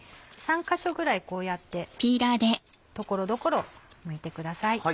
３か所ぐらいこうやって所々むいてください。